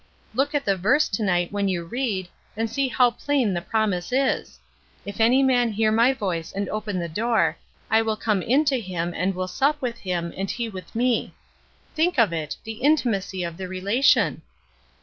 Look at the verse to night when you read, and see how plain the promise is: 'If any man hear My voice and open the door, I will come in to him and will sup with him and he with Me.' Think of it — the inti macy of the relation!